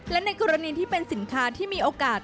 และในกรณีที่เป็นสินค้าที่มีโอกาส